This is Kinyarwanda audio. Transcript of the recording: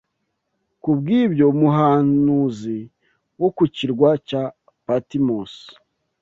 Kubw’ibyo, umuhanuzi wo ku kirwa cya Patimosi